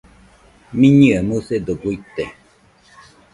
Miñɨe musedo guite